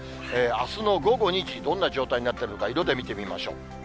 あすの午後２時、どんな状態になっているのか、色で見てみましょう。